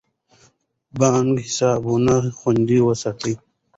بانکي حسابونه خوندي وساتئ.